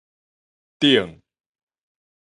頂